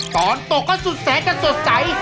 ตอนตกก็สุดแสนกันสดใส